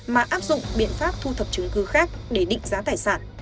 mà áp dụng biện pháp thu thập chứng cứ khác để định giá tài sản